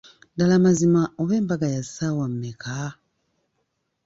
Ddala mazima oba embaga ya ssaawa mmeka?